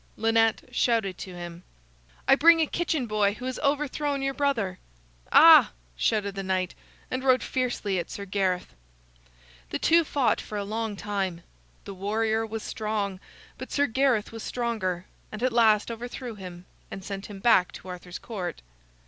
Lynette shouted to him: "I bring a kitchen boy who has overthrown your brother." "Ah!" shouted the knight, and rode fiercely at Sir Gareth. The two fought for a long time. The warrior was strong, but Sir Gareth was stronger, and at last overthrew him, and sent him back to Arthur's Court.